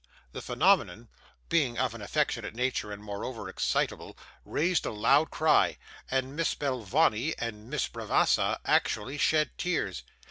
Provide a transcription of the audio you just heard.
The phenomenon, being of an affectionate nature and moreover excitable, raised a loud cry, and Miss Belvawney and Miss Bravassa actually shed tears.